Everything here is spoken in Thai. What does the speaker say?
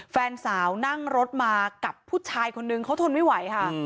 แฟนสาวนั่งรถมากับผู้ชายคนนึงเขาทนไม่ไหวค่ะ